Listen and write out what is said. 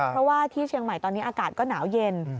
เพราะว่าที่เชียงใหม่ตอนนี้อากาศก็หนาวเย็น